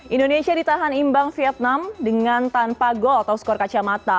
indonesia ditahan imbang vietnam dengan tanpa gol atau skor kacamata